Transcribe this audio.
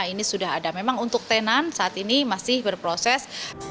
ini sudah ada memang untuk tenan saat ini masih berproses